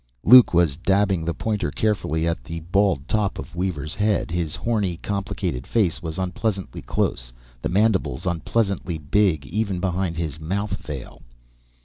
Luke was dabbing the pointer carefully at the bald top of Weaver's head. His horny, complicated face was unpleasantly close, the mandibles unpleasantly big even behind his mouth veil.